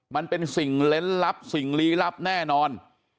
มันเป็นสิ่งเล่นลับสิ่งลี้ลับแน่นอน